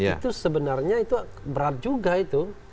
itu sebenarnya itu berat juga itu